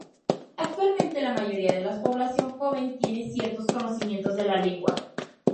Actualmente, la mayoría de la población joven tiene ciertos conocimientos de la lengua.